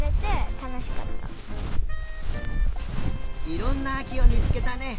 いろんなあきをみつけたね！